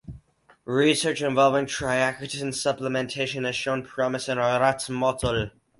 Research involving triacetin supplementation has shown promise in a rat model.